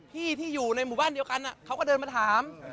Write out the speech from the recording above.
ที่อยู่ในหมู่บ้านเดียวกันเขาก็เดินมาถาม